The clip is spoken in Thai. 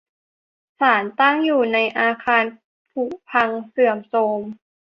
ศาลตั้งอยู่ในอาคารผุพังเสื่อมโทรม